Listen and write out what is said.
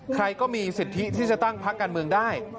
ใครก็มีสิทธิที่จะตั้งพักการเมืองได้